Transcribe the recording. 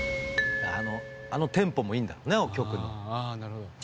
あのテンポもいいんだろうね曲の。